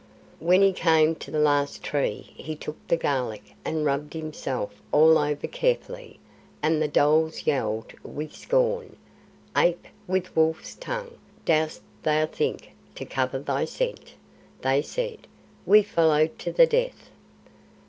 When he came to the last tree he took the garlic and rubbed himself all over carefully, and the dholes yelled with scorn. "Ape with a wolf's tongue, dost thou think to cover thy scent?" they said. "We follow to the death."